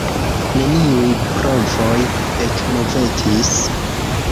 Neniuj brovoj ekmovetis.